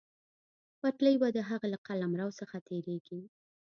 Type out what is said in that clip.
پټلۍ به د هغه له قلمرو څخه تېرېږي.